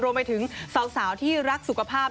รวมไปถึงสาวที่รักสุขภาพ